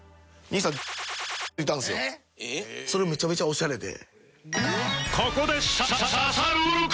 それめちゃめちゃオシャレで。